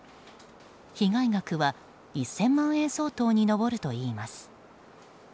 被害額は１０００万円相当に上るといいます。